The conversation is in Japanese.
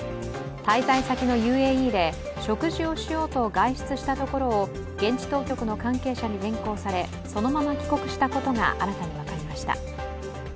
滞在先のＵＡＥで食事をしようと外出しようとしたところを現地当局の関係者に連行され、そのまま帰国したことが新たに分かりました。